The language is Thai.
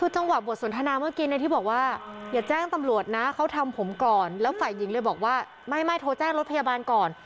คือจังหวะบทสนทนาเมื่อกี้ที่บอกว่าอย่าแจ้งตำรวจนะเขาทำผมก่อนแล้วฝ่ายหญิงเลยบอกว่าไม่โทรแจ้งรถพยาบาลก่อน